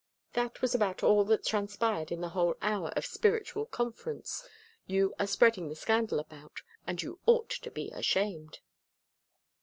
That was about all that transpired in the whole hour of spiritual conference you are spreading the scandal about, and you ought to be ashamed."